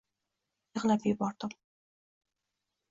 Yig‘lab yubordim.